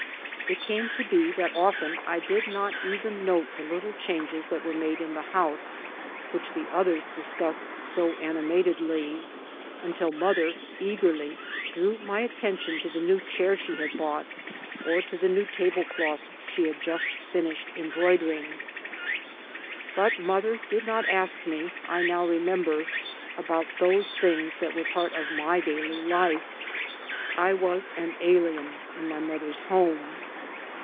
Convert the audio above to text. It came to be that often I did not even note the little changes that were made in the house, which the others discussed so animatedly, until mother eagerly drew my attention to the new chair she had bought, or to the new table cloth she had just Bnished embroidering. But mother did not ask me, I now remember, about those things that were part of my daily life. I was an alien in my mother's home.